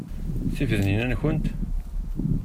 Tifednin-a nkent?